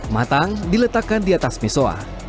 matang diletakkan di atas misoa